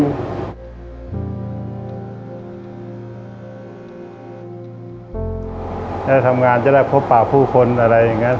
สวัสดีครับผมชื่อสามารถชานุบาลชื่อเล่นว่าขิงถ่ายหนังสุ่นแห่ง